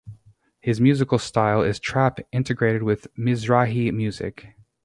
His musical style is trap integrated with mizrahi music.